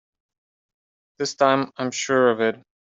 This time I'm sure of it!